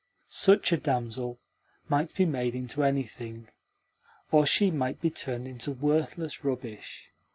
Such a damsel might be made into anything or she might be turned into worthless rubbish.